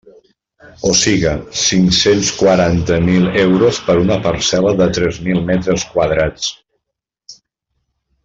O siga, cinc-cents quaranta mil euros per una parcel·la de tres mil metres quadrats.